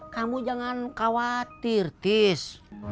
kamu jangan khawatir tis